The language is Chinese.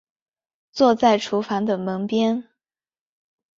坐在厨房的门边